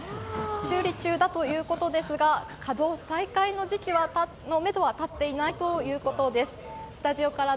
修理中だということですが、稼働再開のめどは立っていないということです。